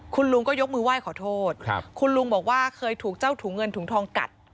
คุณลุงก็ยกมือไหว้ขอโทษคุณลุงบอกว่าเคยถูกเจ้าถุงเงินถุงทองกัด